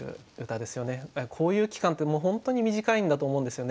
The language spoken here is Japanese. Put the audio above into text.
こういう期間ってもう本当に短いんだと思うんですよね。